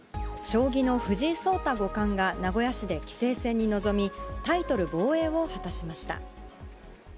将棋の藤井聡太五冠が名古屋市で棋聖戦に臨み、タイトル防衛を果たしました。